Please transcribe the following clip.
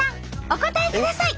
お答えください！